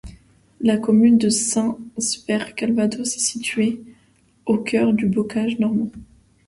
La commune de Saint-Sever-Calvados est située au cœur du Bocage normand.